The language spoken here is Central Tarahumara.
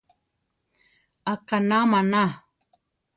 Aʼkaná maná.